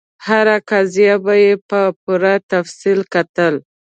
هره قضیه به یې په پوره تفصیل کتل.